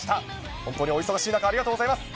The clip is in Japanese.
本当にお忙しい中、ありがとうございます。